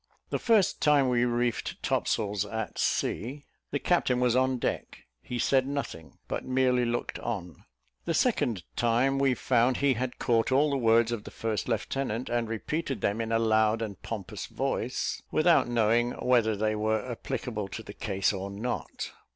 The first time we reefed topsails at sea, the captain was on deck; he said nothing, but merely looked on. The second time, we found he had caught all the words of the first lieutenant, and repeated them in a loud and pompous voice, without knowing whether they were applicable to the case or not.